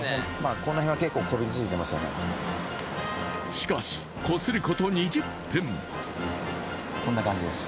しかし、こすること２０分。